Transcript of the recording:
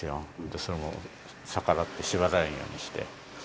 それに逆らって、縛られないようにして。